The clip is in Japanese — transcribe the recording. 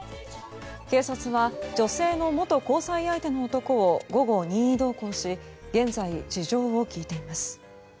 警察は女性の元交際相手の男を午後、任意同行し現在事情を聴いています。